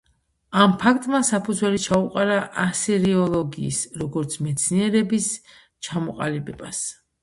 ამ ფაქტმა საფუძველი ჩაუყარა ასირიოლოგიის, როგორც მეცნიერების, ჩამოყალიბებას.